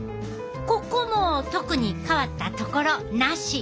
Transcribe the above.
ここも特に変わったところなし！